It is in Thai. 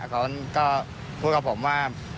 เขาก็พูดกับผมว่า